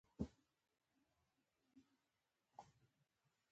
اوس چي بیا ځلې راغله او ویې لیدل، حالات عادي شوي.